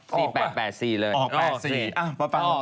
พูดอย่างงี้เลย